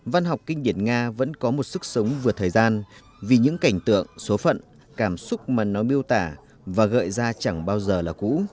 văn học kinh điển nga vẫn có một sức sống vượt thời gian vì những cảnh tượng số phận cảm xúc mà nó miêu tả và gợi ra chẳng bao giờ là cũ